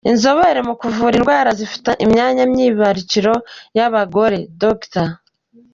Inzobere mu kuvura indwara zifata imyanya myibarukiro y’abagore, Dr.